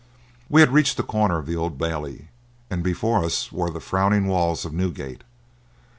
We had reached the corner of the Old Bailey, and before us were the frowning walls of Newgate.